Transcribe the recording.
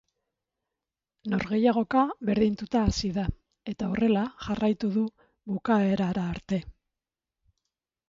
Norgehiagoka berdintuta hasi da, eta horrela jarraitu du bukaerara arte.